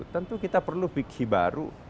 tentu kita perlu fiksi baru